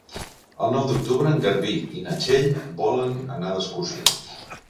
El nou d'octubre en Garbí i na Txell volen anar d'excursió.